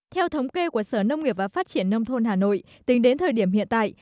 theo thống kê của sở nông nghiệp và phát triển nông thôn hà nội tính đến thời điểm hiện tại